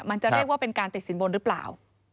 มันจะเรียกว่าเป็นการติดสินบนหรือเปล่า